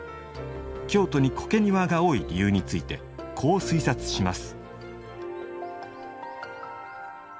京都に苔庭が多い理由についてこう推察します。